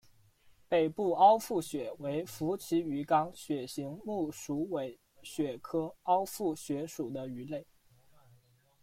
北部凹腹鳕为辐鳍鱼纲鳕形目鼠尾鳕科凹腹鳕属的鱼类。